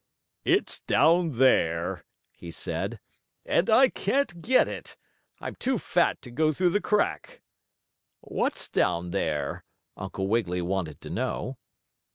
"It's down there," he said. "And I can't get it. I'm too fat to go through the crack." "What's down there?" Uncle Wiggily wanted to know.